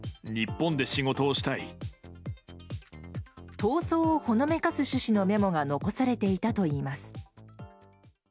逃走をほのめかす趣旨のメモが残されていたといいます。